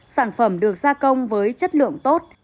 sản phẩm được gia công với chất lượng tốt